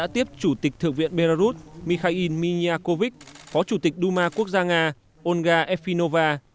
thượng viện belarus mikhail minyakovich phó chủ tịch duma quốc gia nga olga efinova